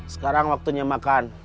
sekarang waktunya makan